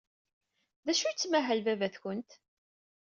D acu ay yettmahal baba-twent?